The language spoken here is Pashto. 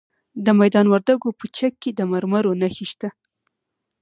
د میدان وردګو په چک کې د مرمرو نښې شته.